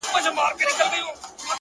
د تورو شپو سپين څراغونه مړه ســول.